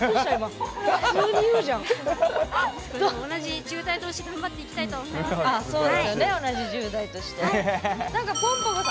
同じ１０代どうし頑張っていきたいと思います。